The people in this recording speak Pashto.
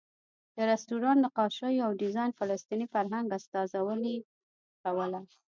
د رسټورانټ نقاشیو او ډیزاین فلسطیني فرهنګ استازولې کوله.